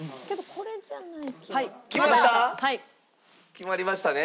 決まりましたね？